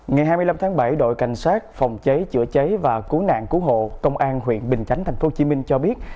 ngày hai mươi năm tháng bảy đội cảnh sát phòng cháy chữa cháy và cứu nạn cứu hộ công an huyện bình chánh tp hcm cho biết